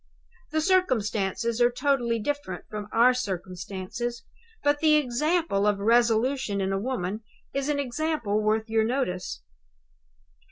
The circumstances are totally different from our circumstances; but the example of resolution in a woman is an example worth your notice.